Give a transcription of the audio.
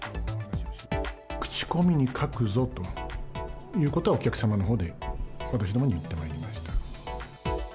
口コミに書くぞということは、お客様のほうで私どもに言ってまいりました。